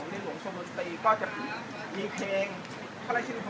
แล้วก็จะรัดไออาร์แล้วครับ